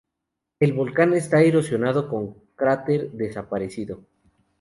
El volcán está erosionado, con cráter desaparecido.